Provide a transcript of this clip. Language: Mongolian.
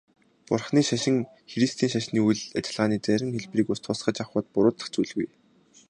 Бурханы шашин христийн шашны үйл ажиллагааны зарим хэлбэрийг тусгаж авахад буруудах зүйлгүй.